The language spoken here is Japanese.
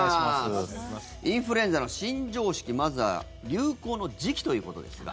インフルエンザの新常識まずは流行の時期ということですが。